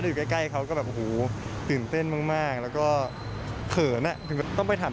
จะอยู่ใกล้เขาก็แบบอ่ะโหตื่นเต้นมากแล้วก็เผินน่ะ